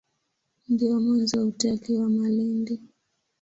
Ndio mwanzo wa utalii wa Malindi.